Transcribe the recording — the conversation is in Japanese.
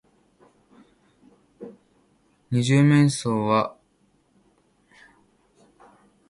二十面相は、また、おびただしい美術品をぬすみためて、この新しいかくれがの地下室に、秘密の宝庫をこしらえていたのです。